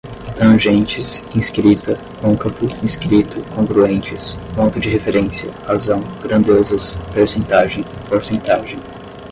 tangentes, inscrita, côncavo, inscrito, congruentes, ponto de referência, razão, grandezas, percentagem, porcentagem